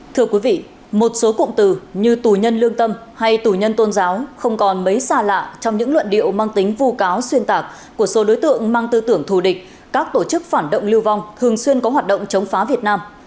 thưa quý vị một số cụm từ như tù nhân lương tâm hay tù nhân tôn giáo không còn mấy xa lạ trong những luận điệu mang tính vù cáo xuyên tạc của số đối tượng mang tư tưởng thù địch các tổ chức phản động lưu vong thường xuyên có hoạt động chống phá việt nam